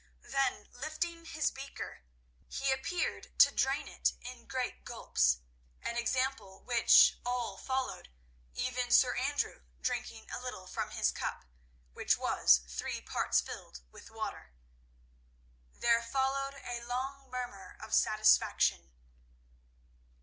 Then, lifting his beaker, he appeared to drain it in great gulps—an example which all followed, even Sir Andrew drinking a little from his cup, which was three parts filled with water. There followed a long murmur of satisfaction.